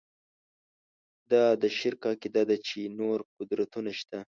دا د شرک عقیده ده چې نور قدرتونه شته.